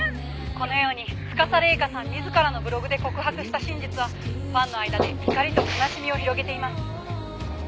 「このように司麗香さん自らのブログで告白した真実はファンの間で怒りと悲しみを」